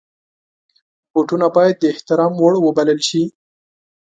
بوټونه باید د احترام وړ وبلل شي.